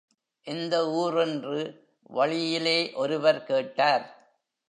எந்த ஊர் என்று வழியிலே ஒருவர் கேட்டார்.